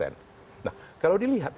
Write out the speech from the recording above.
nah kalau dilihat